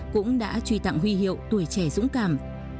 cũng đã truy tặng huy hiệu tuổi trẻ dũng cảm